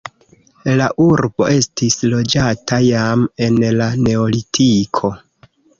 La urbo estis loĝata jam en la neolitiko.